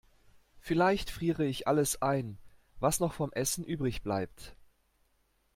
Vielleicht friere ich alles ein, was noch vom Essen übrigbleibt.